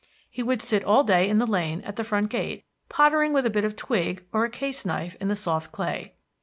He would sit all day in the lane at the front gate pottering with a bit of twig or a case knife in the soft clay.